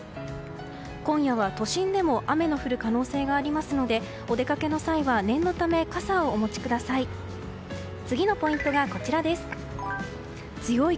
今夜は都心でも雨の降る可能性がありますのでお出かけの際は念のため傘をお持ちください。